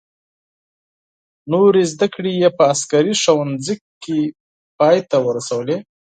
نورې زده کړې یې په عسکري ښوونځي کې پای ته ورسولې.